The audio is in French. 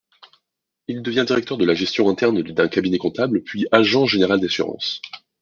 Il devient directeur de la gestion interne d’un cabinet comptable puis agent général d’assurances.